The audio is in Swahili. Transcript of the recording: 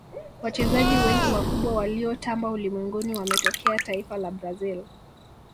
wachezaji wengi wakubwa waliotamba ulimwenguni wametokea taifa la brazil